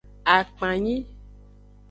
Akpanyi.